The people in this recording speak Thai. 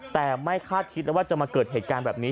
แต่ไม่คาดคิดแล้วว่าจะมาเกิดเหตุการณ์แบบนี้